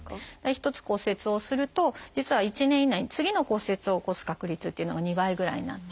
一つ骨折をすると実は１年以内に次の骨折を起こす確率っていうのが２倍ぐらいになって。